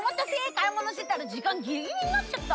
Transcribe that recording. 買い物してたら時間ギリギリになっちゃった。